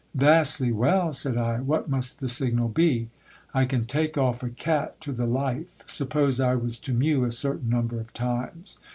Vastly well ! said I, what must the signal be? I can take'off" a cat to the life : suppose I was to mew a certain number of times